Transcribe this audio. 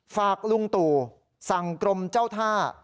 ฝากลุงตู่สั่งกรมเจ้าท่า